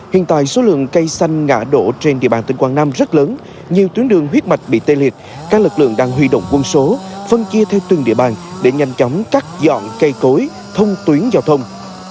hiện tại số lượng cây xanh ngã đổ trên địa bàn tỉnh quảng nam rất lớn nhiều tuyến đường huyết mạch bị tê liệt các lực lượng đang huy động quân số phân chia theo từng địa bàn để nhanh chóng cắt dọn cây cối thông tuyến giao thông